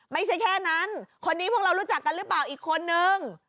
ไม่ใช่แค่นั้นคนนี้พวกเรารู้จักกันหรือเปล่าอีกคนนึง